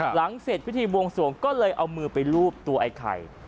หลังเสร็จพิธีบวงสวงก็เลยเอามือไปรูปตัวไอ้ไข่